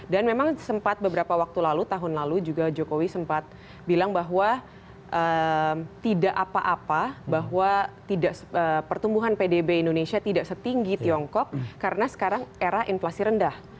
memang sempat beberapa waktu lalu tahun lalu juga jokowi sempat bilang bahwa tidak apa apa bahwa pertumbuhan pdb indonesia tidak setinggi tiongkok karena sekarang era inflasi rendah